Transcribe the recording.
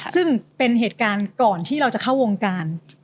ซึ่งเป็นเหตุการณ์ก่อนที่เราจะเข้าวงการ